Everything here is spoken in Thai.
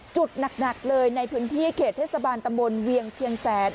หนักเลยในพื้นที่เขตเทศบาลตำบลเวียงเชียงแสน